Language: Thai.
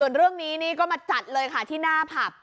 ส่วนเรื่องนี้นี่ก็มาจัดเลยค่ะที่หน้าผับ